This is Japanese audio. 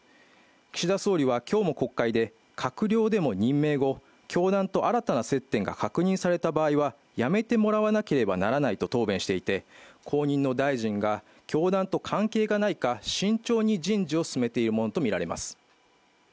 岸田総理は今日も国会で閣僚でも任命後、教団と新たな接点が確認された場合は辞めてもらわなければならないと答弁していて、後任の大臣が教団と関連がないか慎重に人事を進めているものとみられます。